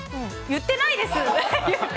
言ってないです！